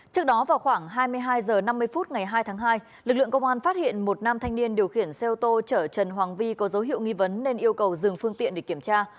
trước đó vào khoảng hai mươi hai h năm mươi phút ngày hai tháng hai lực lượng công an phát hiện một nam thanh niên điều khiển xe ô tô chở trần hoàng vi có dấu hiệu nghi vấn nên yêu cầu dừng phương tiện để kiểm tra